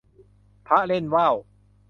พระเล่นว่าว